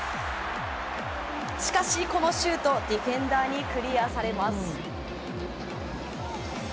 しかし、このシュートはディフェンダーにクリアされます。